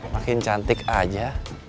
makin cantik aja